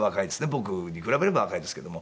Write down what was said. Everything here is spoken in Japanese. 僕に比べれば若いですけども。